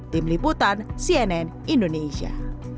tim liputan cnn indonesia